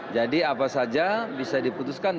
jadi apa saja bisa diputuskan